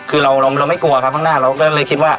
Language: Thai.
คือเราไม่กลัวครับข้างหน้าเราก็เลยคิดว่า